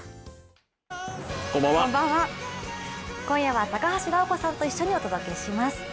今夜は高橋尚子さんと一緒にお届けします。